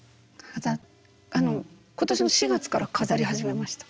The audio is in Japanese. あの今年の４月から飾り始めました。